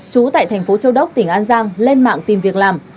trú tại thành phố châu đốc tỉnh an giang lên mạng tìm việc làm